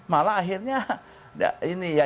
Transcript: malah akhirnya ini ya